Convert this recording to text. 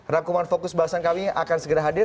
rakyat kumaran fokus bahasan kami akan segera hadir